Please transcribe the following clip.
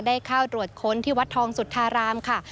ได้เข้าตรวจค้นที่วัดทองสุธารามค่ะ